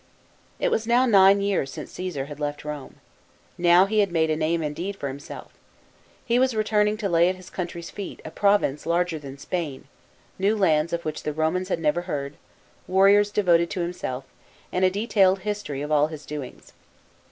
It was now nine years since Coesar had left Rome. Now he had made a name indeed for himself. He was returning to lay at his country's feet, a province larger than Spain, new lands of which the Romans had never heard, warriors de voted to himself, and a detailed history of all his doings.